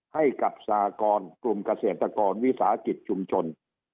ให้กับสากรกลุ่มเกษตรกรวิสาหกิจชุมชน